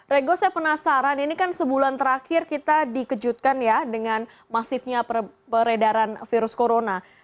rego saya penasaran ini kan sebulan terakhir kita dikejutkan ya dengan masifnya peredaran virus corona